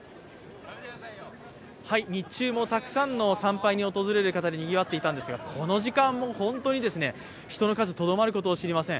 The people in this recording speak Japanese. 日中もたくさんの参拝に訪れる方でにぎわっていたんですが、この時間も本当に人の数とどまることを知りません。